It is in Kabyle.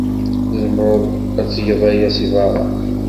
Tzemred ad d-tged aya seg beṛṛa.